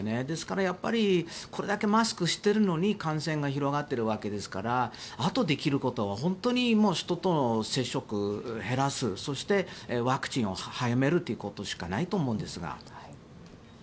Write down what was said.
ですからやっぱりこれだけマスクをしているのに感染が広がっているわけですからあとできることは人との接触を減らすそして、ワクチンを早めるということしかないと思うんですが。